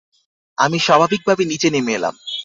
আমি স্বাভাবিকভাবে নিচে নেমে এলাম।